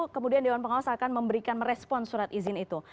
kemudian dewan pengawas akan memberikan merespon surat izin itu